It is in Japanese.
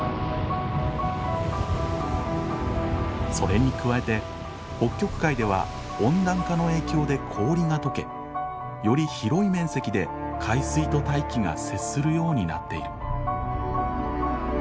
それに加えて北極海では温暖化の影響で氷が解けより広い面積で海水と大気が接するようになっている。